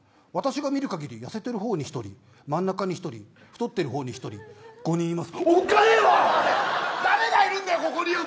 私が見るかぎりやせてる方に１人真ん中に１人太ってる方に１人、５人います。